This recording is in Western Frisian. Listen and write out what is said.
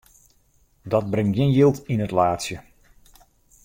Dat bringt gjin jild yn it laadsje.